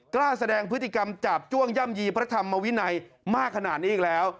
กล้าแสดงพฤติกรรมจาบจ้วงย่ำยีพระธรรมวินัยมากขนาดนี้อีกแล้ว